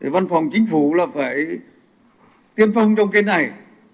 văn phòng chính phủ là phải tiên phong trong cái này